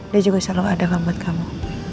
dia juga selalu ada kan buat kamu